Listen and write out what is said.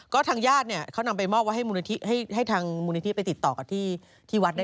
ก็ทางญาติเค้านำไปมอกว่าให้ทางบุญร้อยไปติดต่อกับที่ที่วัดได้